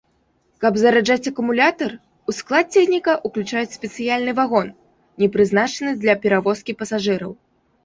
Каб зараджаць акумулятар, у склад цягніка ўключаюць спецыяльны вагон, не прызначаны для перавозкі пасажыраў.